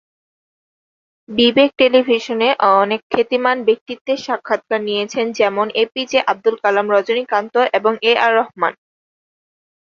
বিবেক টেলিভিশনে অনেক খ্যাতিমান ব্যক্তিত্বের সাক্ষাৎকার নিয়েছেন যেমনঃ এ পি জে আব্দুল কালাম, রজনীকান্ত এবং এ আর রহমান।